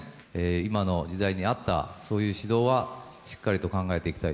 今の時代に合った、そういう指導はしっかりと考えていきたい。